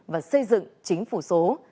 và xây dựng chính phủ số